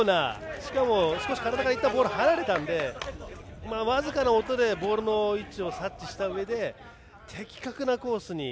しかも、少し体がいったんボールから離れたので僅かな音でボールの位置を察知したうえで的確なコースに。